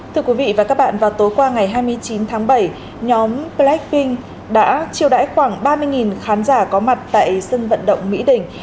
thưa quý vị và các bạn vào tối qua ngày hai mươi chín tháng bảy nhóm blackpink đã triều đãi khoảng ba mươi khán giả có mặt tại sân vận động mỹ đình